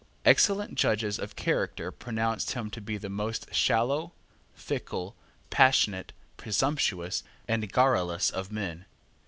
Excellent judges of character pronounced him to be the most shallow, fickle, passionate, presumptuous, and garrulous of men.